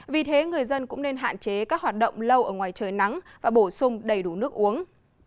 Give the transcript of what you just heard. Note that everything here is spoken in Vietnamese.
vì thế người dân cũng nên hạn chế các hoạt động lâu ở ngoài trời nắng và bổ sung đầy đủ nước uống